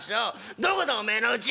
どこだおめえのうち！」。